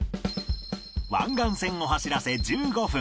湾岸線を走らせ１５分